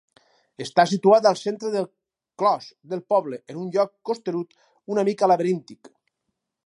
Està situat al centre del clos del poble, en un lloc costerut, una mica laberíntic.